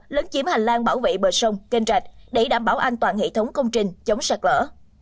lớn chiếm hành lang bảo vệ bờ sông kênh rạch để đảm bảo an toàn hệ thống công trình chống sạt lỡ